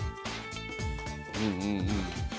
うんうんうん。